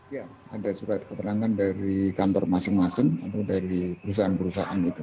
ya ada surat keterangan dari kantor masing masing atau dari perusahaan perusahaan itu